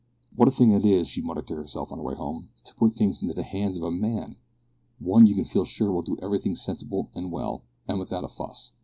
"What a thing it is," she muttered to herself on her way home, "to put things into the hands of a man one you can feel sure will do everything sensibly and well, and without fuss."